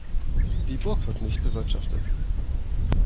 Die Burg wird nicht bewirtschaftet.